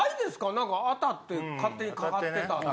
なんか当たって勝手にかかってたって。